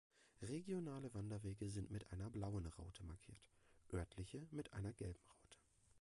Regionale Wanderwege sind mit einer blauen Raute markiert, örtliche mit einer gelben Raute.